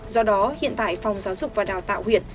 do đó hiện tại phòng giáo dục và đào tạo huyện